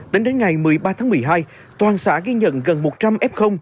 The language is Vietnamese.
tính đến ngày một mươi ba tháng một mươi hai toàn xã ghi nhận gần một trăm linh f